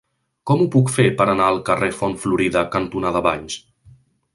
Com ho puc fer per anar al carrer Font Florida cantonada Valls?